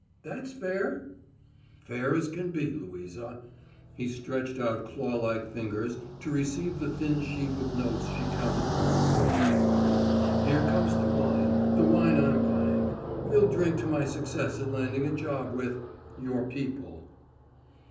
That's fair?" "Fair as can be, Louisa." He stretched out clawlike fingers to receive the thin sheaf of notes she counted from her roll. "Here comes the wine the wine I'm buying. We'll drink to my success at landing a job with your people."